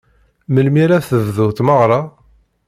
Melmi ara tebdu tmeɣra?